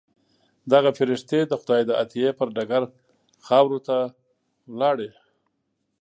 دغه فرښتې د خدای د عطیې پر ډګر خاورو ته لاړې.